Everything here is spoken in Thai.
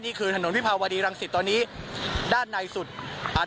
นี่คือถนนพิพาวบรรดีรังสิตตอนนี้ด้านในสุดอ่า